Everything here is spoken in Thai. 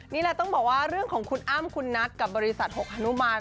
นี่แหละต้องบอกว่าเรื่องของคุณอ้ำคุณนัทกับบริษัท๖ฮนุมาน